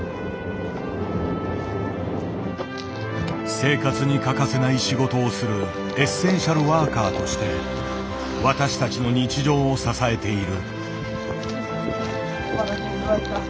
生活に欠かせない仕事をするエッセンシャルワーカーとして私たちの日常を支えている。